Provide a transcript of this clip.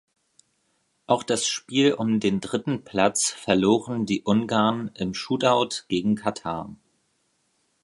Auch das Spiel um den dritten Platz verloren die Ungarn im Shootout gegen Katar.